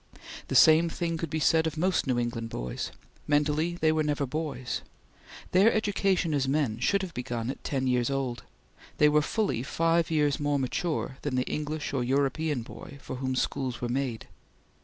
The same thing could be said of most New England boys. Mentally they never were boys. Their education as men should have begun at ten years old. They were fully five years more mature than the English or European boy for whom schools were made.